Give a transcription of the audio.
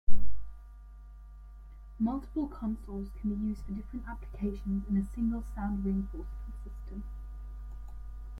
Multiple consoles can be used for different applications in a single sound reinforcement system.